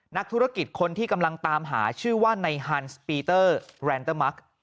นักธุรกิจคนที่กำลังตามหาชื่อว่าในฮันส์ปีเตอร์แรนเตอร์มัก